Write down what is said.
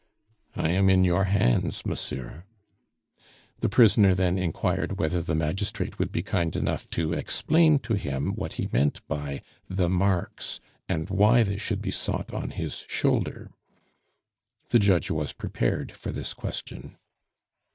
"I am in your hands, monsieur." The prisoner then inquired whether the magistrate would be kind enough to explain to him what he meant by "the marks," and why they should be sought on his shoulder. The judge was prepared for this question.